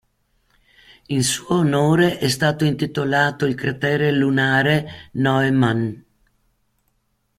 In suo onore è stato intitolato il Cratere lunare Neumann.